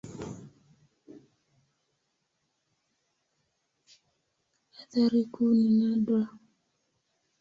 Athari kuu ni nadra.